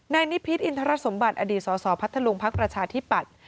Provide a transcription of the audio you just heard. นายนิพิษอินทรสมบัติอดีตสสพัทธลุงพักประชาธิปัตย